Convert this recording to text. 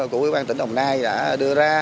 của ủy ban tỉnh đồng nai đã đưa ra